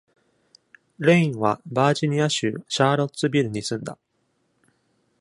レインはバージニア州シャーロッツビルに住んだ。